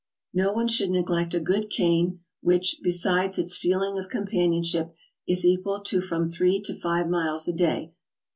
No one should neglect a good cane, which, besides its feeling of companionship, is equal to from three to five miles a day.